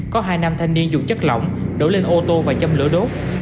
có hai nam thanh niên dùng chất lỏng đổ lên ô tô và châm lửa đốt